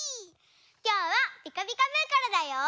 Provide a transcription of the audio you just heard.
きょうは「ピカピカブ！」からだよ。